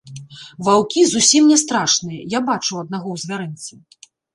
Ваўкі зусім не страшныя, я бачыў аднаго ў звярынцы.